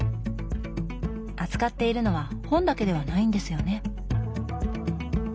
扱っているのは本だけではないんですよね。